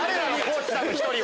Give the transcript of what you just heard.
地さんの１人は。